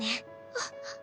あっ！